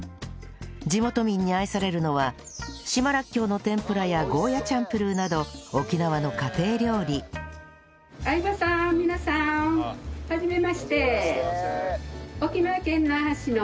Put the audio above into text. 地元民に愛されるのは島らっきょうの天ぷらやゴーヤーチャンプルーなど沖縄の家庭料理はじめまして。